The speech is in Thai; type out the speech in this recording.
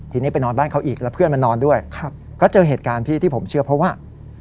ทีนี้ไปนอนบ้านเขาอีกแล้วเพื่อนมานอนด้วยก็เจอเหตุการณ์พี่ที่ผมเชื่อเพราะว่า